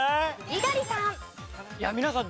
猪狩さん。